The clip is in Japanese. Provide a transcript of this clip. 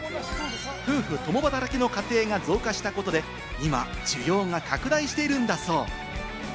夫婦共働きの家庭が増加したことで、今、需要が拡大しているんだそう。